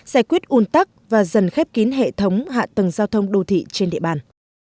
giải quyết un tắc và dần khép kín hệ thống hạ tầng giao thông đô thị trên địa bàn